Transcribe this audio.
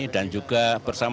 dan juga bersama sama